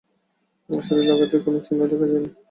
তাঁর শরীরে আঘাতের কোনো চিহ্ন দেখা যায়নি।